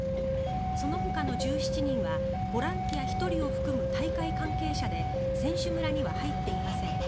そのほかの１７人はボランティア１人を含む大会関係者で選手村には入っていません。